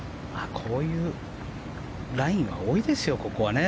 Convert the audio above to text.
こういうラインが多いですよ、ここはね。